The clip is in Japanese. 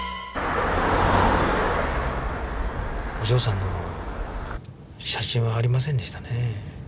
お嬢さんの写真はありませんでしたね。